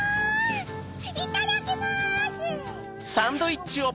いただきます！